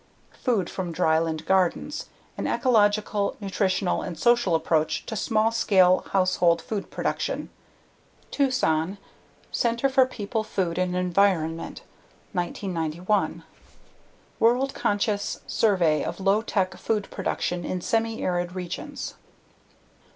Food from Dryland Gardens: An Ecological, Nutritional and Social Approach to Small Scale Household Food Production. Tucson: Center for People, Food and Environment, 1991. World conscious survey of low tech food production in semiarid regions.